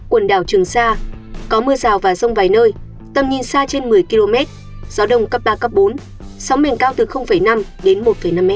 quần đảo trường sa có mưa rào và rông vài nơi tầm nhìn xa trên một mươi km gió đông cấp ba bốn sóng biển cao từ năm đến một năm m